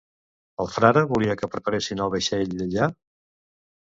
El frare volia que preparessin el vaixell allà?